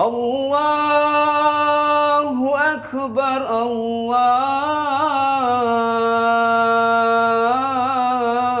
allahu akbar allahu akbar